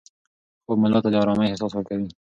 خوب ملا ته د ارامۍ احساس ورکوي.